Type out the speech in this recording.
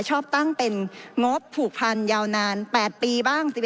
ชอบตั้งเป็นงบผูกพันยาวนาน๘ปีบ้าง